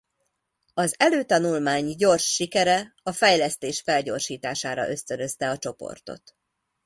Az előtanulmány gyors sikere a fejlesztés felgyorsítására ösztönözte a csoportot.